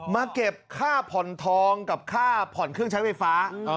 เก็บค่าผ่อนทองกับค่าผ่อนเครื่องใช้ไฟฟ้า